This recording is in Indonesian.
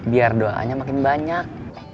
biar doanya makin banyak